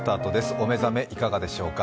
お目覚めいかがでしょうか？